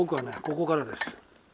ここからです。